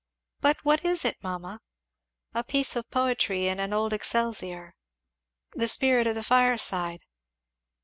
"But what is it, mamma?" "A piece of poetry in an old Excelsior 'The Spirit of the Fireside.'